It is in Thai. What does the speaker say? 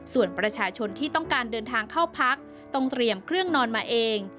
ส่วนประชาชนที่ต้องการเดินทางเข้าพักต้องเตรียมเครื่องนอนมาเอง